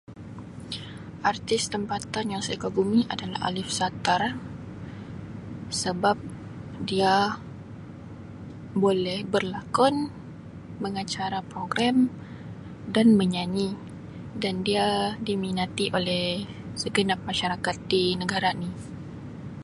Artis tempatan yang saya kagumi adalah Aliff Satar sebab dia boleh berlakon mengacara program dan menyanyi dan dia diminati oleh segenap masyarakat di negara ni.